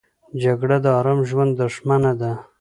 جګړه د آرام ژوند دښمنه ده